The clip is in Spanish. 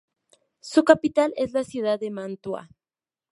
Su capital es la ciudad de Mantua.